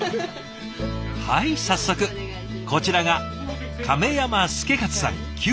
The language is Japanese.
はい早速こちらが亀山祐勝さん９０歳。